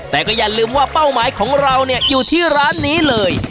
แต่ก็อย่าลืมว่าเป้าหมายของเราเนี่ยอยู่ที่ร้านนี้เลย